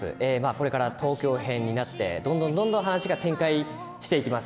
これから東京編になってどんどん話が展開していきます。